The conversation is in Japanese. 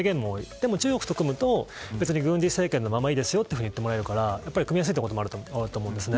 でも、中国と組むと軍事政権のままでいいですよと言ってもらえるからくみやすいこともあると思います。